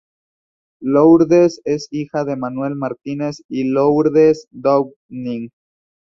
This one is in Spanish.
Lourdes es hija de Manuel Martínez y Lourdes Downing.